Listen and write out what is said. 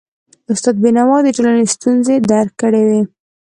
استاد بينوا د ټولنې ستونزي درک کړی وي.